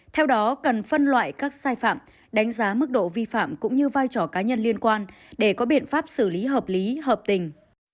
theo đó cần phân loại các sai phạm đánh giá mức độ vi phạm cũng như vai trò cá nhân liên quan để có biện pháp xử lý hợp lý hợp tình